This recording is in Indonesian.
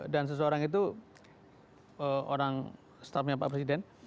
dan seseorang itu orang staffnya pak presiden